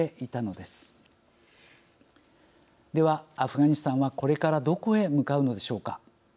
ではアフガニスタンはこれからどこへ向かうのでしょうか。